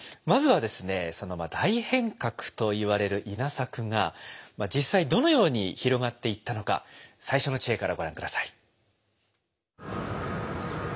まずはですね大変革といわれる稲作が実際どのように広がっていったのか最初の知恵からご覧下さい。